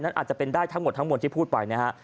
อาจจะเป็นได้ทั้งหมดทั้งหมดที่พูดไปนะฮะ